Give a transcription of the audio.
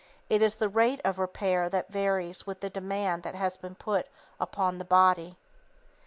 It is the rate of repair that varies with the demand that has been put upon the body.